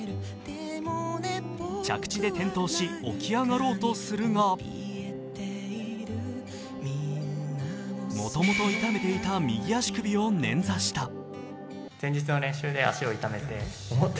着地で転倒し、起き上がろうとするがもともと傷めていた右足首を捻挫した。